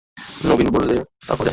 নবীন বললে, তা করেন।